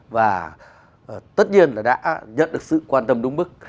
và tất nhiên là đã nhận được sự quan tâm đúng mức